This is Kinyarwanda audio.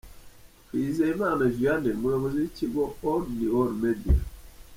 Twizeyimana Vianey, umuyobozi w'ikigo All in all media.